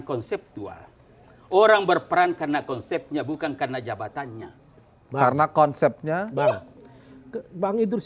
konseptual orang berperan karena konsepnya bukan karena jabatannya karena konsepnya bang idrus